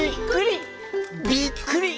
「びっくり！